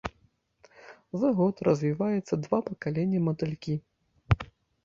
За год развіваецца два пакалення матылькі.